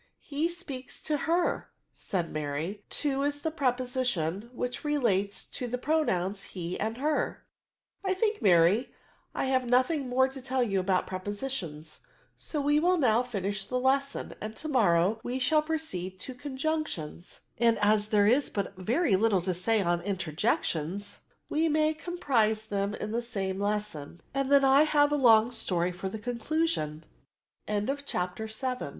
" He speaks to her," said Mary :to is the preposition which relates to the pro nouns he and her." ..'« I think, Mary, I have nothing more to tell you about prepositions :' so we will now finish the lesson, and to morrow we shall proceed to conjunctions ; and as there is but very little to say on interjections, we may comprise them in the same lesson; and the